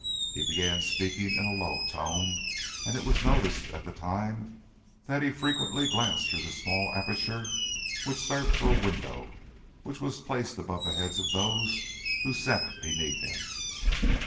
He began speaking in a low tone, and it was noticed at the time that he frequently glanced through the small aperture which served for a window which was placed above the heads of those who sat beneath him.